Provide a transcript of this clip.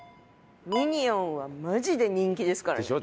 ミニオンはマジで人気ですからね。でしょ？